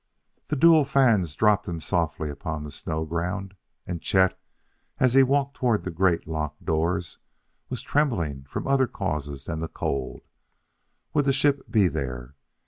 The dual fans dropped him softly upon the snow ground and Chet, as he walked toward the great locked doors, was trembling from other causes than the cold. Would the ship be there?